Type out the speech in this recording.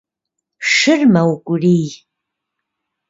Шыр мэукӀурий…